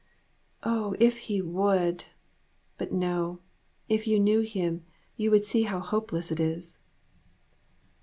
" Oh, if he would ! But no ; if you knew him, you would see how hopeless it is."